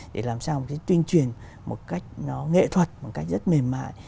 để làm sao để tuyên truyền một cách nghệ thuật một cách rất mềm mại